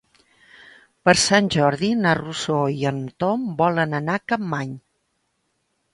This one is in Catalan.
Per Sant Jordi na Rosó i en Tom volen anar a Capmany.